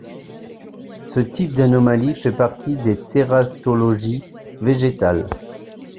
Ce type d'anomalie fait partie des tératologies végétales.